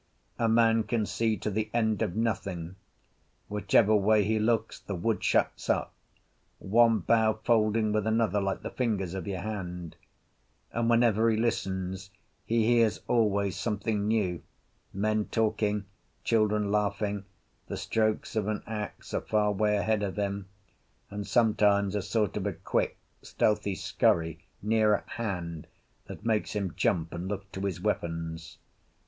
A man can see to the end of nothing; whichever way he looks the wood shuts up, one bough folding with another like the fingers of your hand; and whenever he listens he hears always something new—men talking, children laughing, the strokes of an axe a far way ahead of him, and sometimes a sort of a quick, stealthy scurry near at hand that makes him jump and look to his weapons.